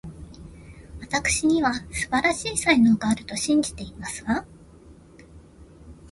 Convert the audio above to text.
わたくしには、素晴らしい才能があると信じていますわ